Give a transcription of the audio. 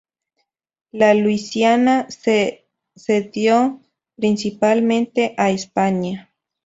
La Luisiana se cedió principalmente a España.